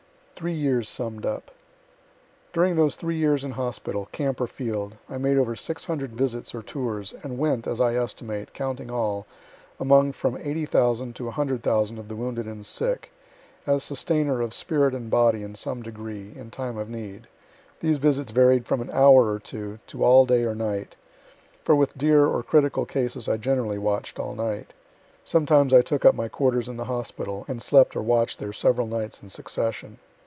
THREE YEARS SUMM'D UP During those three years in hospital, camp or field, I made over six hundred visits or tours, and went, as I estimate, counting all, among from eighty thousand to a hundred thousand of the wounded and sick, as sustainer of spirit and body in some degree, in time of need. These visits varied from an hour or two, to all day or night; for with dear or critical cases I generally watch'd all night. Sometimes I took up my quarters in the hospital, and slept or watch'd there several nights in succession.